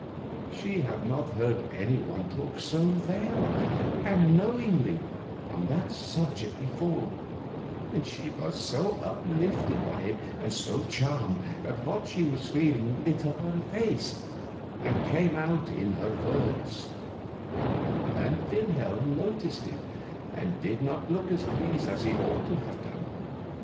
She had not heard any one talk so well and so knowingly on that subject before, and she was so uplifted by it and so charmed that what she was feeling lit up her face and came out in her words; and Wilhelm noticed it and did not look as pleased as he ought to have done.